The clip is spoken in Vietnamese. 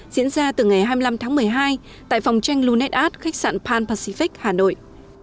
diễn ra từ ngày hai mươi năm tháng một mươi hai tại phòng tranh lunet ad khách sạn pan pacific hà nội